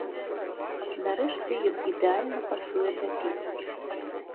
Нарэшце, ён ідэальна пасуе да піцы.